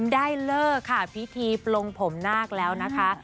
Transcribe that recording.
ได้เลิกค่ะพิธีปลงผมนาคแล้วนะคะ